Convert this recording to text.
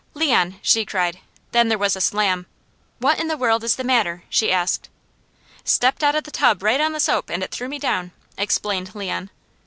"Leon!" she cried. Then there was a slam. "What in the world is the matter?" she asked. "Stepped out of the tub right on the soap, and it threw me down," explained Leon.